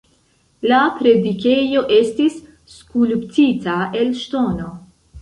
La predikejo estis skulptita el ŝtono.